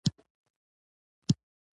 پښتانه باید د ژبې د غنا لپاره کار وکړي.